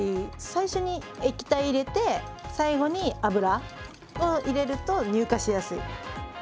最初に液体入れて最後に油を入れると乳化しやすい。